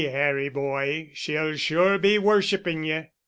Harry boy, she'll sure be worshiping ye."